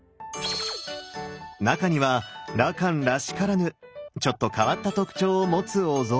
中には羅漢らしからぬちょっと変わった特徴を持つお像も。